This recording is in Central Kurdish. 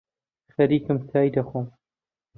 خەریکم چای دەخۆم